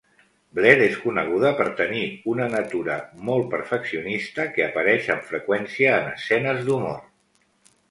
Blair és coneguda per tenir una natura molt perfeccionista, que apareix amb freqüència en escenes d'humor.